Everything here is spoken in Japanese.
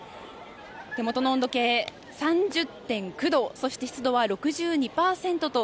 手元の温度計、３０．９度湿度は６２％と。